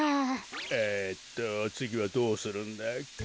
えっとつぎはどうするんだっけ？